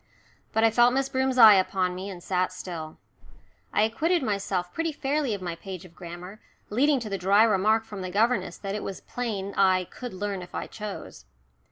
But I felt Miss Broom's eye upon me, and sat still. I acquitted myself pretty fairly of my page of grammar, leading to the dry remark from the governess that it was plain I "could learn if I chose."